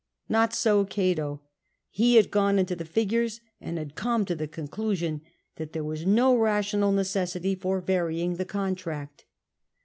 Not so Cato: he had gone into the jBgures, and had come to the conclusion that there was no rational necessity for varying the contract.